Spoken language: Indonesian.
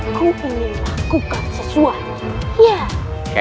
aku ingin melakukan sesuatu